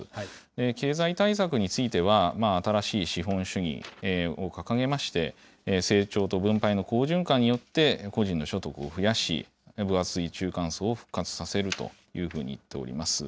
経済対策については、新しい資本主義を掲げまして、成長と分配の好循環によって、個人の所得を増やし、分厚い中間層を復活させるというふうに言っております。